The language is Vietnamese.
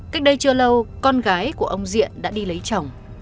cách đây chưa lâu con gái của ông diện đã đi lấy chồng